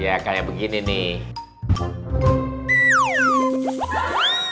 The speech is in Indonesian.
ya kayak begini nih